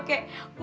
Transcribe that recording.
gue kagak peduli